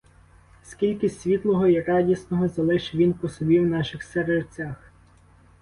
Скільки світлого й радісного залишив він по собі в наших серцях.